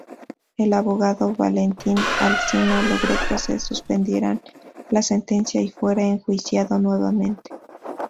El abogado Valentín Alsina logró que se suspendiera la sentencia y fuera enjuiciado nuevamente.